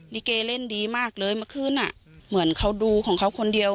ลิเกเล่นดีมากเลยเมื่อคืนอ่ะเหมือนเขาดูของเขาคนเดียว